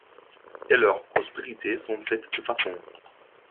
Et leurs prospérités sont faites de façon